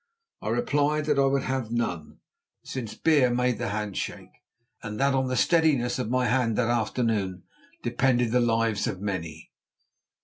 I replied that I would have none, since beer made the hand shake and that on the steadiness of my hand that afternoon depended the lives of many.